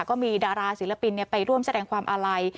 ก็มีดาราศิลปินไปร่วมแสดงความอาลัย